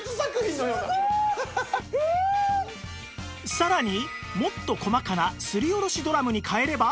さらにもっと細かなすりおろしドラムに変えれば